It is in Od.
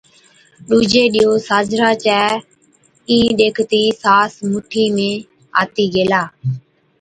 ڏُوجي ڏِيئو ساجھرا چَي اِين ڏيکتِي ساس مُٺِي ۾ آتِي گيلا،